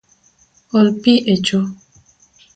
Ol pi echo